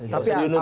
tapi apa keadaan